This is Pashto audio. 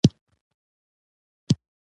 ښاروندان په خیالي کټګوریو ویشل شوي.